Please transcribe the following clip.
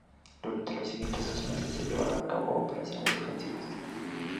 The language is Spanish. Durante los siguientes dos meses se llevaron a cabo operaciones defensivas.